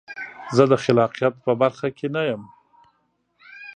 زه د خلاقیت په برخه کې نه یم.